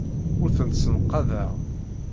Ur tent-ssenqadeɣ.